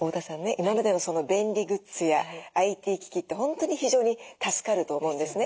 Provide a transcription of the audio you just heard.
今までの便利グッズやＩＴ機器って本当に非常に助かると思うんですね。